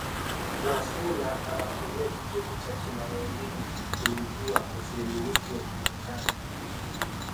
Wafula anatumia kigezo cha kimaeneo kuibua Ufeministi wa Kimarekani